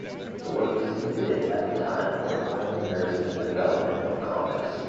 The works he did at that time were pioneers in the development of comics.